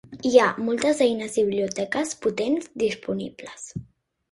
Hi ha moltes eines i biblioteques potents disponibles.